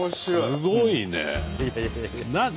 すごいね。